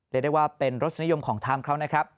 เลยได้ว่าเป็นรสนิยมของทรัมน์ครับนะครับ